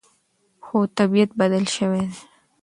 خو طبیعت بدل شوی دی.